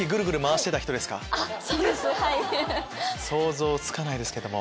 想像つかないですけども。